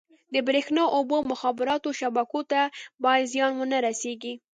د بریښنا، اوبو او مخابراتو شبکو ته باید زیان ونه رسېږي.